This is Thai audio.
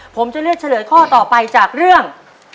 ผมจะเลือกเฉลยข้อต่อไปจากเรื่อง